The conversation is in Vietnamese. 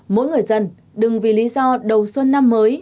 mỗi người dân đừng vì lý do đầu xuân năm mới